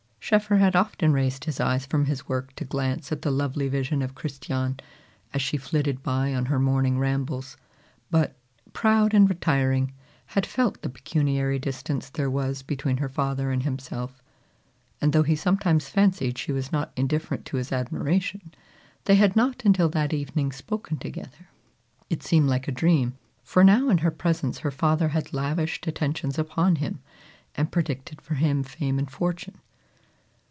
Schoeffer had often raised his eyes from his work to glance at the lovely vision of Christiane, as she flitted by on her morning rambles; but, proud and retiring, had felt the pecuniary distance there was between her father and himself; and though he sometimes fancied she was not indifferent to his admiration, they had not until that evening spoken together. It seemed like a dream; for now in her presence her father had lavished attentions upon him, and predicted for him fame and fortune.